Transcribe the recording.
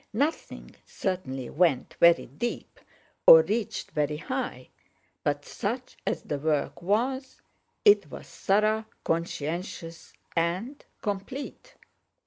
Nothing certainly went very deep, or reached very high—but such as the work was, it was thorough, conscientious, and complete.